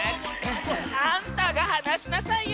あんたがはなしなさいよ！